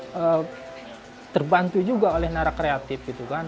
tetap pengalaman dan konteks pada masa banjir dan di banding foto harga food